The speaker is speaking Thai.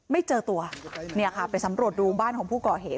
ไม่เจอตัวเนี่ยค่ะไปสำรวจดูบ้านของผู้ก่อเหตุ